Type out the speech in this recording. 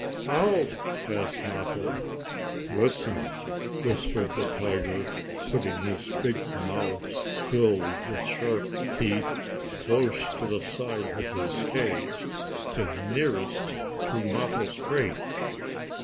"How?" asked Mappo. "Listen!" whispered the tiger, putting his big mouth, filled with sharp teeth, close to the side of his cage, and nearest to Mappo's crate.